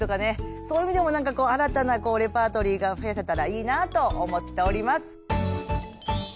そういう意味でもなんかこう新たなレパートリーが増やせたらいいなあと思っております。